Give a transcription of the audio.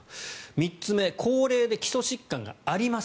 ３つ目、高齢で基礎疾患があります。